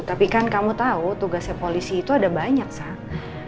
tapi kan kamu tahu tugasnya polisi itu ada banyak sang